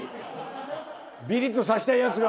ビリッとさせたいヤツが！